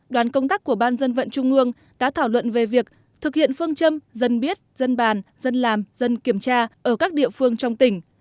đoàn công tác của ban dân vận trung ương đã thảo luận về việc thực hiện phương châm dân biết dân bàn dân làm dân kiểm tra ở các địa phương trong tỉnh